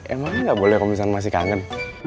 emang nggak boleh kalau misalnya masih kangen